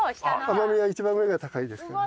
甘みは一番上が高いですね。